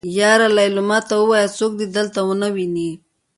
يره ليلما ته وايه څوک دې دلته ونه ويني.